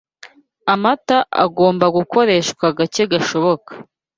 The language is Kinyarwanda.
amata agomba gukoreshwa gake gashoboka